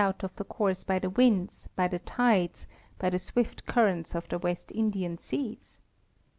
185 of the course by the winds, by the tides, by the swift currents of the West Indian seas?